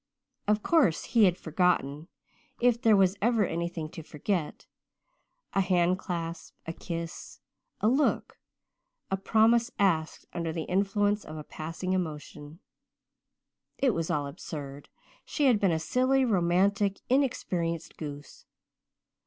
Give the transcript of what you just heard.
Of course he had forgotten if there was ever anything to forget a handclasp a kiss a look a promise asked under the influence of a passing emotion. It was all absurd she had been a silly, romantic, inexperienced goose.